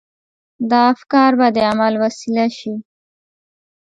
دا افکار به د عمل وسيله شي.